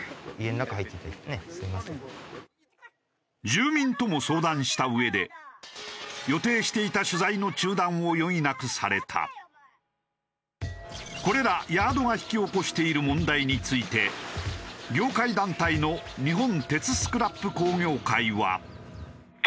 住民とも相談したうえで予定していたこれらヤードが引き起こしている問題について業界団体の日本鉄スクラップ工業会は。